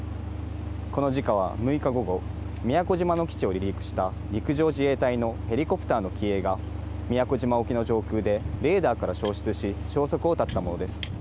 この事故は６日午後、宮古島の基地を離陸した陸上自衛隊のヘリコプターの機影が宮古島沖の上空でレーダーだから消失し、消息を絶ったものです。